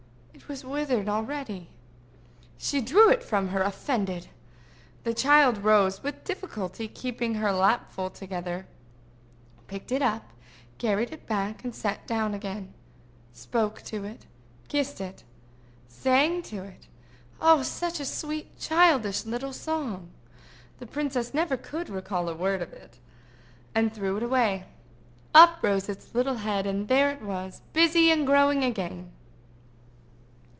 It was withered already. She threw it from her, offended. The child rose, with difficulty keeping her lapful together, picked it up, carried it back, sat down again, spoke to it, kissed it, sang to it—oh! such a sweet, childish little song!—the princess never could recall a word of it—and threw it away. Up rose its little head, and there it was, busy growing again!